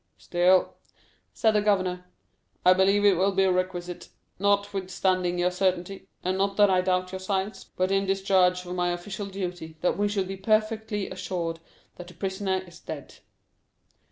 "Still," said the governor, "I believe it will be requisite, notwithstanding your certainty, and not that I doubt your science, but in discharge of my official duty, that we should be perfectly assured that the prisoner is dead."